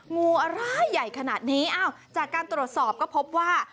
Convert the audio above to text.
งูอะไรใหญ่ขนาดนี้อ้าวจากการตรวจสอบก็พบว่า